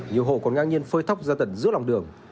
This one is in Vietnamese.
nhiều hộ còn ngang nhiên phơi thóc ra tận giữa lòng đường